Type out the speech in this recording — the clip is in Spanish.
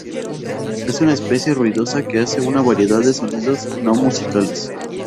Es una especie ruidosa que hace una variedad de sonidos no musicales.